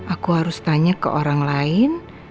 aku harus tanya ke orang lain